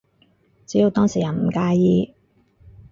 只要當事人唔介意